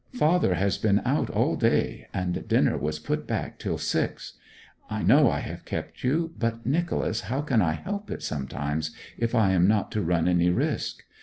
'Father has been out all day, and dinner was put back till six. I know I have kept you; but Nicholas, how can I help it sometimes, if I am not to run any risk?